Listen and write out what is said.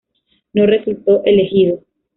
No resultó elegido.